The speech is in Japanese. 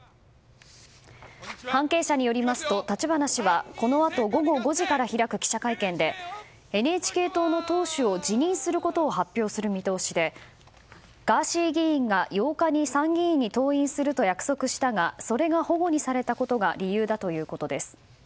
関係者によりますと立花氏は、このあと午後５時から開く記者会見でＮＨＫ党の党首を辞任することを発表する見通しでガーシー議員が８日に参議院に登院すると約束したがそれが反故にされたことが理由だということです。